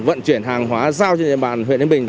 vận chuyển hàng hóa giao trên địa bàn huyện yên bình